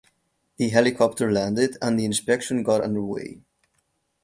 The helicopter landed and the inspection got underway.